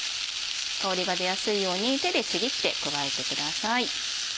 香りが出やすいように手でちぎって加えてください。